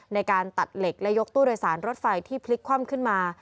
ในการตัดเหล็กและยกตู้โดยสารรถไฟที่พลิกคว่ำขึ้นมา